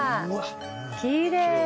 きれい。